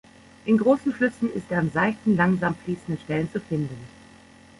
In großen Flüssen ist er an seichten, langsam fließenden Stellen zu finden.